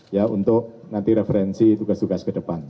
ya untuk nanti referensi tugas tugas ke depan